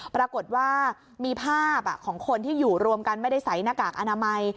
ปรากฏว่ามีภาพของคนที่อยู่รวมกันไม่ได้ใส่หน้ากากอนามัย